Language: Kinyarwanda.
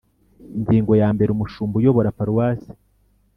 Ingingo ya mbere Umushumba uyobora Paruwase